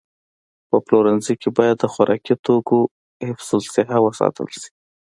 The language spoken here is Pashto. په پلورنځي کې باید د خوراکي توکو حفظ الصحه وساتل شي.